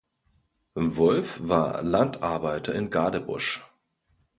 Wulff war Landarbeiter in Gadebusch.